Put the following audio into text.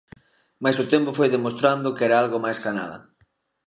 Mais o tempo foi demostrando que era algo máis ca nada.